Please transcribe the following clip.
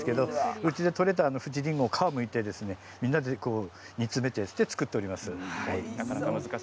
うちで取れたふじりんごの皮をむいてみんなで煮詰めて作っております。